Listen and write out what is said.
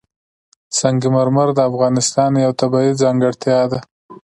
سنگ مرمر د افغانستان یوه طبیعي ځانګړتیا ده.